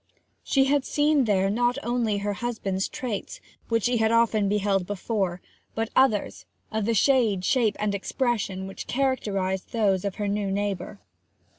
She had seen there not only her husband's traits, which she had often beheld before, but others, of the shade, shape, and expression which characterized those of her new neighbour.